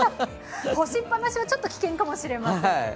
干しっぱなしはちょっと危険かもしれません。